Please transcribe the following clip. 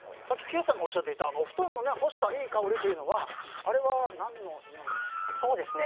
ケイさんもおっしゃっていたお布団を干したいい香りはあれは何の香りなんですか？